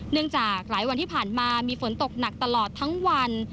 จากหลายวันที่ผ่านมามีฝนตกหนักตลอดทั้งวัน